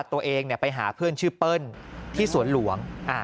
ตัวเองไปหาเพื่อนชื่อเปิ้ลที่สวนหลวง